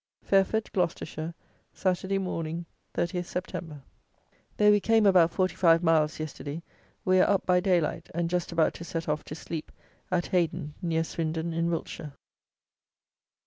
Fairford (Gloucestershire), Saturday Morning, 30th Sept. Though we came about 45 miles yesterday, we are up by day light, and just about to set off to sleep at Hayden, near Swindon, in Wiltshire.